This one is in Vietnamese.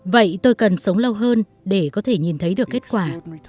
vậy tôi cần sống lâu hơn để có thể nhìn thấy được kết quả